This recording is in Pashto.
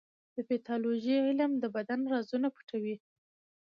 د پیتالوژي علم د بدن رازونه پټوي.